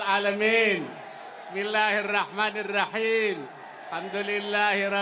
untuk memilih pasangan putih putih